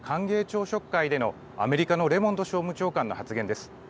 朝食会でのアメリカのレモンド商務長官の発言です。